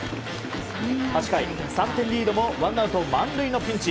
８回、３点リードの１アウト満塁のピンチ。